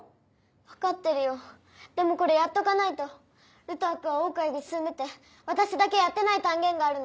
分かってるよでもこれやっとかないとルトワックは桜花より進んでて私だけやってない単元があるの。